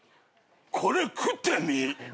これ食ってみ」